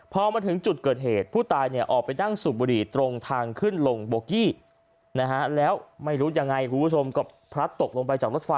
พอมาถึงจุดเกิดเหตุผู้ตายเนี่ยออกไปนั่งสูบบุหรี่ตรงทางขึ้นลงโบกี้นะฮะแล้วไม่รู้ยังไงคุณผู้ชมก็พลัดตกลงไปจากรถไฟ